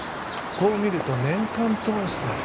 こう見ると年間通してある。